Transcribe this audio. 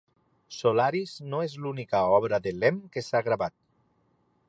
"Solaris" no és l'única obra de Lem que s'ha gravat.